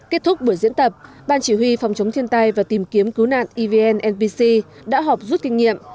kết thúc buổi diễn tập ban chỉ huy phòng chống thiên tai và tìm kiếm cứu nạn evn npc đã họp rút kinh nghiệm